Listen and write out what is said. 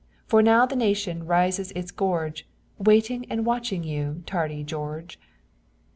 For now the nation raises its gorge, Waiting and watching you, Tardy George."